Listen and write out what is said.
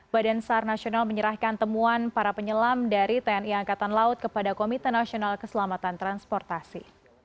badan sar nasional menyerahkan temuan para penyelam dari tni angkatan laut kepada komite nasional keselamatan transportasi